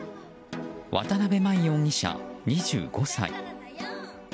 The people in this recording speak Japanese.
渡辺真衣容疑者、２５歳。